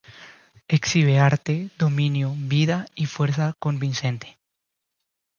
Exhibe arte, dominio, vida y fuerza convincente.